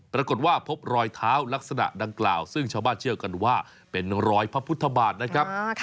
ปรากฏว่าพบรอยเท้าลักษณะดังกล่าวซึ่งชาวบ้านเชื่อกันว่าเป็นรอยพระพุทธบาทนะครับ